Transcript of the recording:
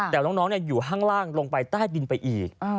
แต่น้องอยู่ข้างล่างลงไปใต้ดินไปอีก